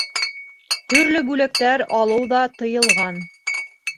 Төрлө бүләктәр алыу ҙа тыйылған.